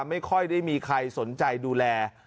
ไม่ค่อยได้มีใครสนใจดูแล